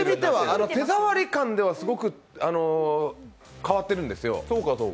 手触り感では、すごく変わってるんですよ。